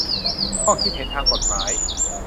ข้อคิดเห็นทางกฎหมาย